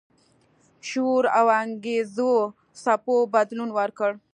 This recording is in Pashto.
شعور او انګیزو څپو بدلون ورکړ.